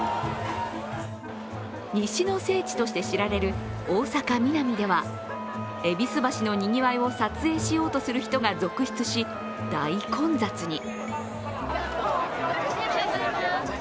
西の聖地として知られる大阪・ミナミでは戎橋のにぎわいを撮影しようとする人が続出し、大混雑に。